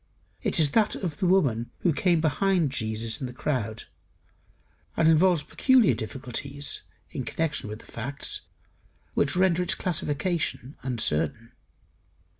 It is that of the woman who came behind Jesus in the crowd; and involves peculiar difficulties, in connection with the facts which render its classification uncertain.